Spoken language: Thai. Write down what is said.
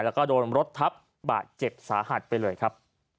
แล้วก็โดนรถทับบาดเจ็บสาหัสไปเลยครับ